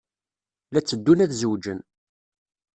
La tteddun ad zewǧen.